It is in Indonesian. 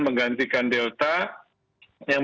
menggantikan delta yang